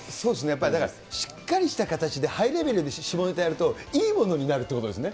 だから、しっかりした形でハイレベルで下ネタやると、いいものになるということですね。